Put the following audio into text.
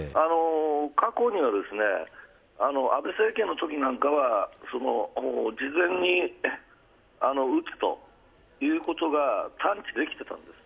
過去には安倍政権のときには事前に撃つということが探知できてたんです。